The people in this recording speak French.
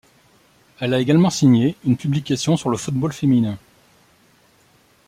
Elle a également signé une publication sur le football féminin.